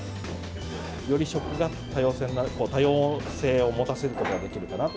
より食が、多様性を持たせることができるのかなと。